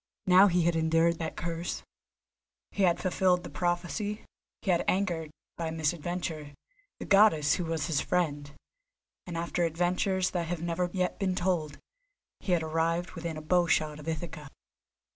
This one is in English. Now he had endured that curse, he had fulfilled the prophecy, he had angered, by misadventure, the Goddess who was his friend, and after adventures that have never yet been told, he had arrived within a bowshot of Ithaca.